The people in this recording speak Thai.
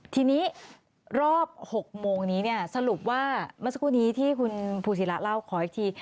ทีนี้รอบ๖โมงนี้เนี่ยสรุปว่าเมื่อสักครู่นี้ที่คุณภูศิระเล่าขออีกที